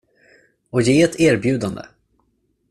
Och ge ett erbjudande.